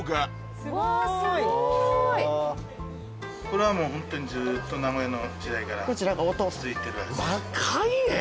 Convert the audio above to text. これはもうホントにずっと名古屋の時代から続いてる味。